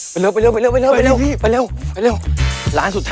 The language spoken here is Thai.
โปรดติดตามตอนต่อไป